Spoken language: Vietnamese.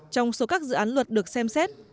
trong số các dự án luật được xem xét